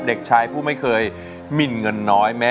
เด็กชายผู้ไม่เคยหมินเงินน้อย